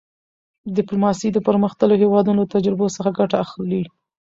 ډیپلوماسي د پرمختللو هېوادونو له تجربو څخه ګټه اخلي.